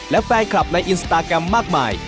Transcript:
และแฟนคลับในอินสตาแกรมมากมาย